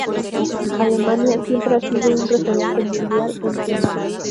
Alemania siempre ha sido un referente mundial en tenis.